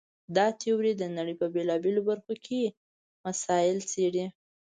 دا تیوري د نړۍ په بېلابېلو برخو کې مسایل څېړي.